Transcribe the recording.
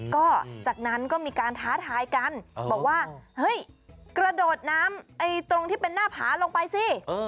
ก็จากนั้นก็มีการท้าทายกันบอกว่าเฮ้ยกระโดดน้ำตรงที่เป็นหน้าผาลงไปสิ